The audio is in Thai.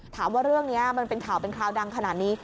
ถามว่าเรื่องนี้มันเป็นข่าวเป็นคราวดังขนาดนี้